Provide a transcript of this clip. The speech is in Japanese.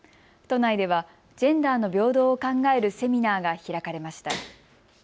都内ではジェンダーの平等を考えるセミナーが開かれました。